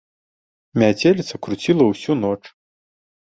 Мяцеліца круціла ўсю ноч.